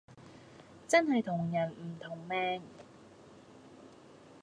真係同人唔同命